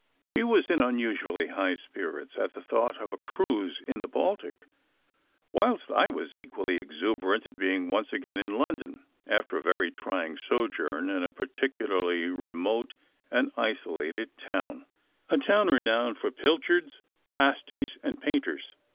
She was in unusually high spirits at the thought of a cruise in the Baltic, whilst I was equally exuberant at being once again in London after a very trying sojourn in a particularly remote and isolated town a town renowned for pilchards, pasties and Painters.